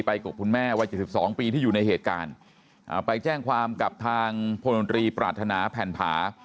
กับคุณแม่วัย๗๒ปีที่อยู่ในเหตุการณ์ไปแจ้งความกับทางพลนตรีปรารถนาแผ่นผา